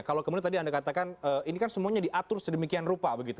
kalau kemudian tadi anda katakan ini kan semuanya diatur sedemikian rupa begitu